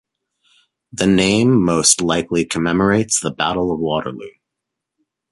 The name most likely commemorates the Battle of Waterloo.